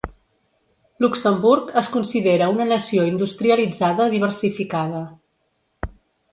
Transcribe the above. Luxemburg es considera una nació industrialitzada diversificada.